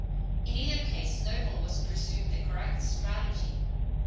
In either case Snowball was pursuing the correct strategy.